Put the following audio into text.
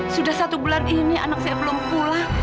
sudah satu bulan ini anak saya belum pulang